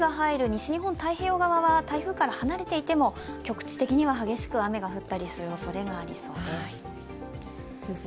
西日本太平洋側は台風から離れていても局地的には激しく雨が降ったりすることもありそうです。